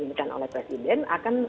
yang diimikan oleh presiden akan